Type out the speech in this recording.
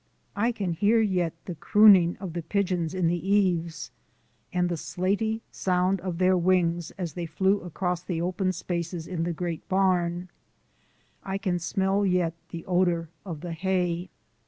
I can hear yet the crooning of the pigeons in the eaves, and the slatey sound of their wings as they flew across the open spaces in the great barn; I can smell yet the odour of the hay.